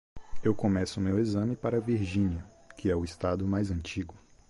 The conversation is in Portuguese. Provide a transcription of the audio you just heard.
Eu começo meu exame para Virginia, que é o estado mais antigo.